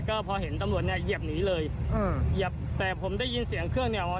ผมก็เลยผสานมาก็หรือว่ามาประสบปฏิเหตุตรงนี้ครับ